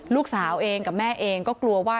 ลูกสาวเองกับแม่เองก็กลัวว่า